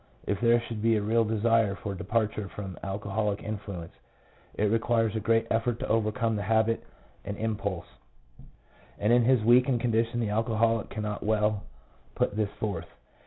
If there should be a real desire for departure from alcoholic influence, it requires a great effort to overcome the habit and impulses, and in his weakened condition the alcoholic cannot well put this forth.